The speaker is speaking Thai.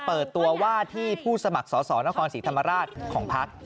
เปิดตัวว่าที่ผู้สมัครสอสอนครศรีธรรมราชของพัก